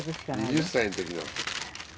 ２０歳の時の手帳。